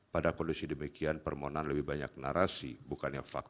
pada kondisi demikian permohonan lebih banyak narasi bukannya fakta